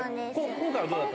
今回はどうだったの？